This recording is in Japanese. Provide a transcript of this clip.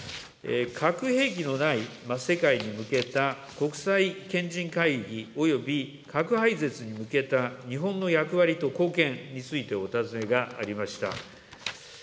核兵器のない世界に向けた国際賢人会議および核廃絶に向けた日本の役割と貢献についてお尋ねがありました。